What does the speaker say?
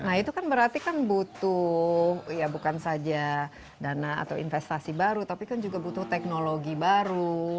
nah itu kan berarti kan butuh ya bukan saja dana atau investasi baru tapi kan juga butuh teknologi baru